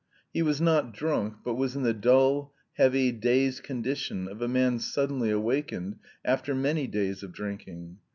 He was not drunk, but was in the dull, heavy, dazed condition of a man suddenly awakened after many days of drinking.